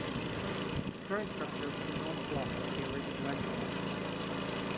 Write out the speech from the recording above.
The current structure was the North Block of the original Western Market.